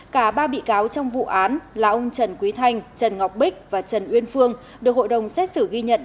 cả ba bị cáo trong vụ án là ông trần quý thanh trần ngọc bích và trần uyên phương được hội đồng xét xử ghi nhận